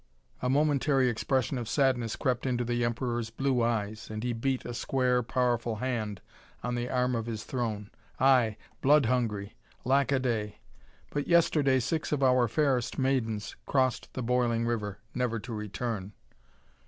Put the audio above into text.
A momentary expression of sadness crept into the Emperor's blue eyes and he beat a square, powerful hand on the arm of his throne. "Aye, blood hungry! Lack a day! But yesterday, six of our fairest maidens crossed the boiling river, never to return."